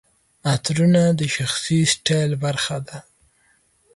عطرونه د شخصي سټایل برخه ده.